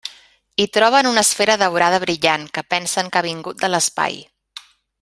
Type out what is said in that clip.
Hi troben una esfera daurada brillant que pensen que ha vingut de l'espai.